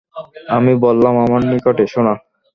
আমি বললাম, আমার নিকট এসো না।